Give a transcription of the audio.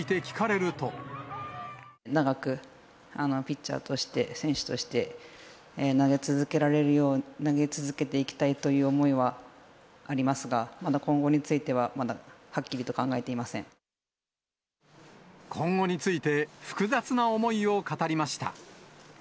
長くピッチャーとして、選手として、投げ続けていきたいという思いはありますが、まだ今後については、今後について、複雑な思いを語りました。